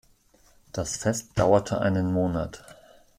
Das Fest dauerte einen Monat.